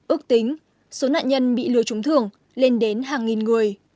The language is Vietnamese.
ước tính số nạn nhân bị lừa trúng thường lên đến hai triệu đồng